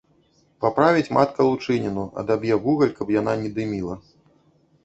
Паправіць матка лучыніну, адаб'е вугаль, каб яна не дыміла.